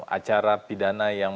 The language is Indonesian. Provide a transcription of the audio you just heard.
acara pidana yang